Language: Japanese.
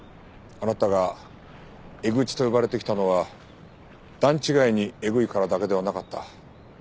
あなたがエグチと呼ばれてきたのは段違いにエグいからだけではなかった。